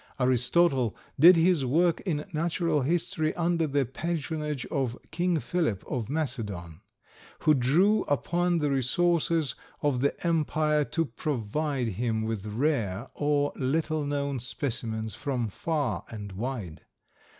Aristotle did his work in natural history under the patronage of King Philip of Macedon, who drew upon the resources of the empire to provide him with rare or little known specimens from far and wide.